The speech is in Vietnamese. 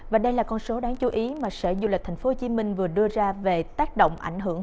và đây là con số đáng chú ý mà sở du lịch tp hcm vừa đưa ra về tác động ảnh hưởng